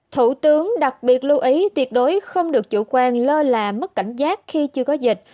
thủ tướng đặc biệt lưu ý tuyệt đối không được chủ quan lơ là mất cảnh giác khi chưa có dịch